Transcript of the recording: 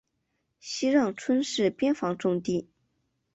西让村是边防重地。